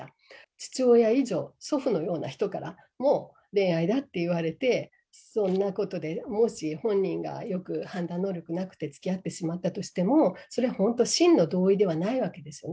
父親以上、祖父のような人からも恋愛だって言われて、そんなことで、もし、本人がよく判断能力なくて、つきあってしまったとしても、それは本当、真の同意ではないわけですよね。